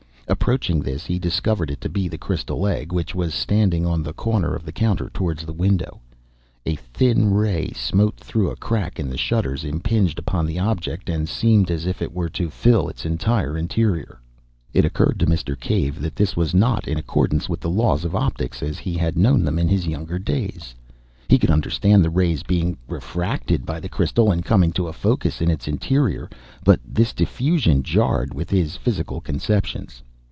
Approaching this, he discovered it to be the crystal egg, which was standing on the corner of the counter towards the window. A thin ray smote through a crack in the shutters, impinged upon the object, and seemed as it were to fill its entire interior. It occurred to Mr. Cave that this was not in accordance with the laws of optics as he had known them in his younger days. He could understand the rays being refracted by the crystal and coming to a focus in its interior, but this diffusion jarred with his physical conceptions.